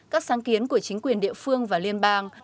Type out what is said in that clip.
các sáng kiến của chính quyền địa phương và liên bang